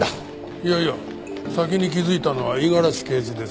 いやいや先に気づいたのは五十嵐刑事です。